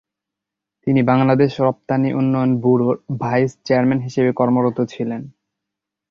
তিনি বাংলাদেশ রপ্তানি উন্নয়ন ব্যুরোর ভাইস চেয়ারম্যান হিসেবে কর্মরত ছিলেন।